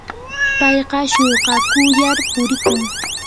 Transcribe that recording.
payqa shuukakullar purikun.